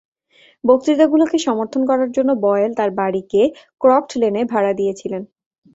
বক্তৃতাগুলোকে সমর্থন করার জন্য বয়েল তার বাড়িকে ক্রকড লেনে ভাড়া দিয়েছিলেন।